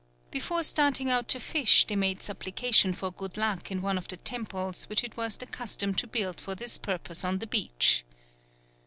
Before starting out to fish they made supplication for good luck in one of the temples which it was the custom to build for this purpose on the beach.